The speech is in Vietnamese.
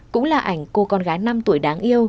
cũng là ảnh cô con gái năm tuổi đáng yêu